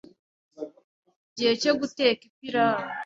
igihe cyo guteka ipirawu